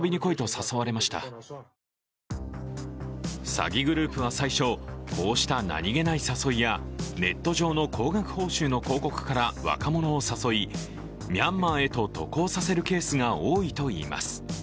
詐欺グループは最初、こうした何気ない誘いやネット上の高額報酬の広告から若者を誘い、ミャンマーへと渡航させるケースが多いといいます。